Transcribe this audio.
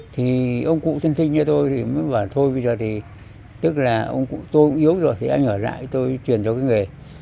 thì ông cụ sinh sinh cho tôi thì mới bảo thôi bây giờ thì tức là tôi cũng yếu rồi thì anh ở lại tôi truyền cho cái nghề